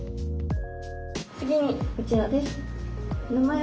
次にこちらです。